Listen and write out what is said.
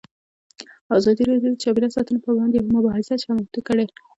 ازادي راډیو د چاپیریال ساتنه پر وړاندې یوه مباحثه چمتو کړې.